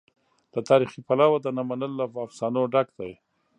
له تاریخي پلوه د نه منلو له افسانو ډک دی.